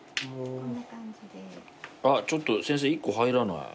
あっちょっと先生１個入らない。